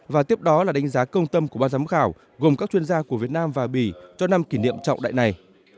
và tiếp đó là đánh giá công tâm của ban giám khảo gồm các chuyên gia của việt nam và bỉ cho năm kỷ niệm trọng đại này